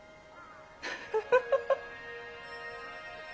フフフフ。